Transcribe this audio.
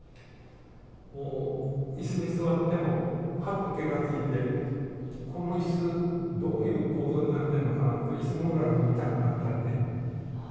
もう椅子に座ってもハッと気が付いて「この椅子どういう構造になってるのかな」と椅子の裏が見たくなったりね。